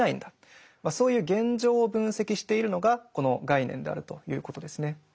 そういう現状を分析しているのがこの概念であるということですね。